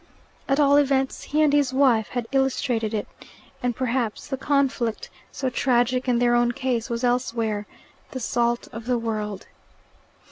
At all events, he and his wife had illustrated it, and perhaps the conflict, so tragic in their own case, was elsewhere the salt of the world.